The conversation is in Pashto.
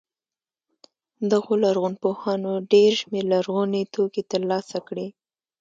دغو لرغونپوهانو ډېر شمېر لرغوني توکي تر لاسه کړي.